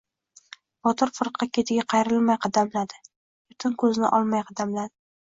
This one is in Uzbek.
Botir firqa ketiga qayrilmay qadamladi. Yerdan ko‘zini olmay qadamladi.